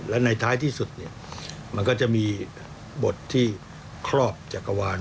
และในท้ายที่สุดมันก็จะมีบทที่ครอบจักรวาล